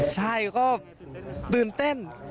ใช่ก็ตื่นเต้น